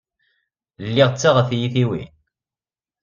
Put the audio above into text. Lliɣ ttaɣeɣ tiyitiwin.